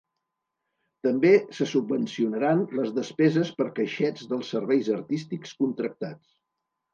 També se subvencionaran les despeses per caixets dels serveis artístics contractats.